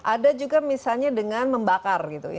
ada juga misalnya dengan membakar gitu